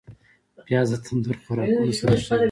پیاز د تندور خوراکونو سره ښه وي